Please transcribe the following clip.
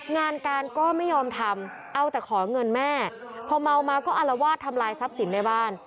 งานการก็ไม่ยอมทำเอาแต่ขอเงินแม่พอเมามาก็อารวาสทำลายทรัพย์สินในบ้าน